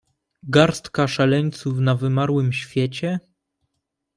"Garstka szaleńców na wymarłym świecie?"